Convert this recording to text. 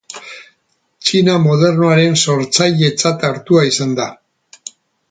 Txina modernoaren sortzailetzat hartua izan da.